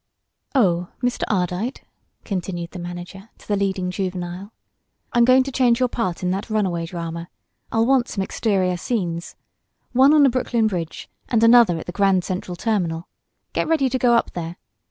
"Oh, Mr. Ardite," continued the manager to the leading juvenile, "I'm going to change your part in that runaway drama. I'll want some exterior scenes. One on the Brooklyn Bridge and another at the Grand Central Terminal. Get ready to go up there.